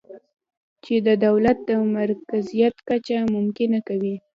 چې د دولت د مرکزیت کچه ممکنه کوي